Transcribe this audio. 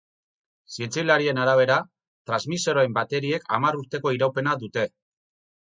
Zientzialarien arabera, transmisoreen bateriek hamar urteko iraupena dute.